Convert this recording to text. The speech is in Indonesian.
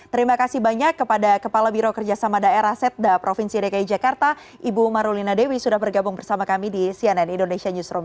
terima kasih banyak kepada kepala biro kerjasama daerah setda provinsi dki jakarta ibu marulina dewi sudah bergabung bersama kami di cnn indonesia newsroom